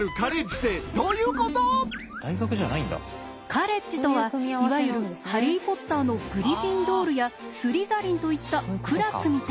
カレッジとはいわゆる「ハリー・ポッター」のグリフィンドールやスリザリンといったクラスみたいなもの。